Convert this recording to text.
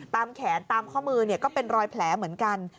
ตามแขนตามข้อมือก็เป็นรอยแผลเหมือนกัน